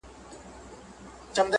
د بلجیم بروکسیل ته